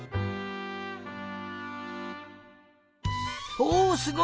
おおすごい！